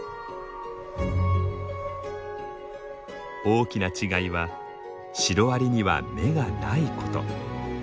大きな違いはシロアリには目がないこと。